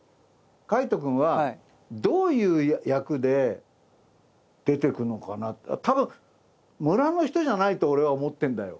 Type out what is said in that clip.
海人君はどういう役で出てくんのかなたぶん村の人じゃないと俺は思ってんだよ。